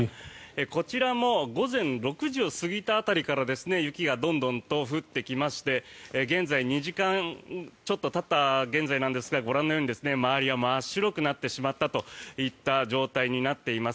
こちらも午前６時を過ぎた辺りから雪がどんどんと降ってきまして２時間ちょっとたった現在なんですがご覧のように周りは真っ白くなってしまった状態になっています。